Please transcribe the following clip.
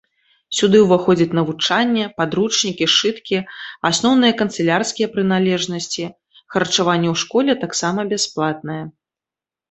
Сюды ўваходзяць навучанне, падручнікі, сшыткі, асноўныя канцылярскія прыналежнасці, харчаванне ў школе таксама бясплатнае.